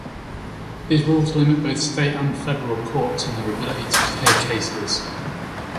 These rules limit both state and federal courts in their ability to hear cases.